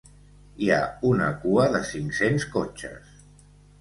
Hi ha una cua de cinc-cents cotxes.